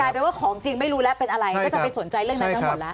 แปลว่าของจริงไม่รู้แล้วเป็นอะไรก็จะไปสนใจเรื่องนั้นทั้งหมดแล้ว